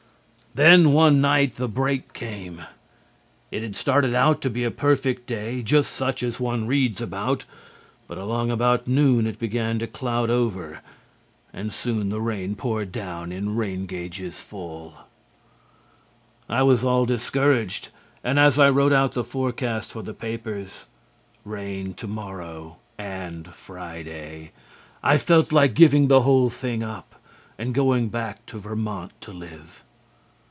"Then, one night, the break came. It had started out to be a perfect day, just such as one reads about, but along about noon it began to cloud over and soon the rain poured down in rain gauges full. [Illustration: She would turn away and bite her lip.] "I was all discouraged, and as I wrote out the forecast for the papers, 'Rain to morrow and Friday,' I felt like giving the whole thing up and going back to Vermont to live.